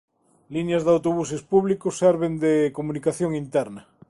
Liñas de autobuses públicos serven de comunicación interna.